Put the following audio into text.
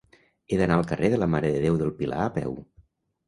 He d'anar al carrer de la Mare de Déu del Pilar a peu.